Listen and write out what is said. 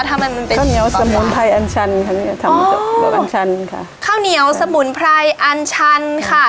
ถ้ามันเป็นข้าวเหนียวสมุนไพรอันชันค่ะอ๋อข้าวเหนียวสมุนไพรอันชันค่ะ